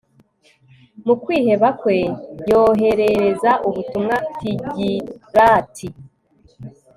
mu kwiheba kwe yoherereza ubutumwa tigilati